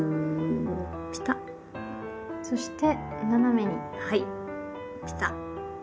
そして斜めにはいピタッ。